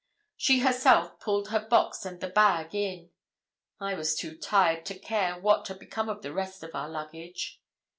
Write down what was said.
She, herself, pulled her box and the bag in. I was too tired to care what had become of the rest of our luggage.